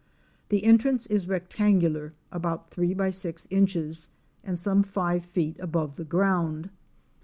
The entrance is rectangular, about three by six inches, and some five feet above the ground.